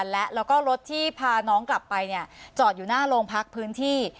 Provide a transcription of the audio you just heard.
แล้วก็รถที่พาน้องกลับไปจอดอยู่หน้าโรงพักพื้นที่